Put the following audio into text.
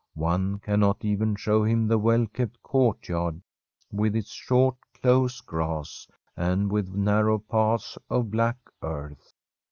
One cannot even show him the well kept courtyard, with its short, close grass, and with narrow paths of black earth.